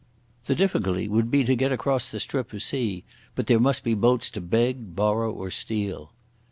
The difficulty would be to get across the strip of sea, but there must be boats to beg, borrow or steal.